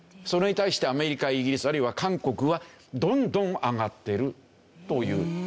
それに対してアメリカイギリスあるいは韓国はどんどん上がってるという。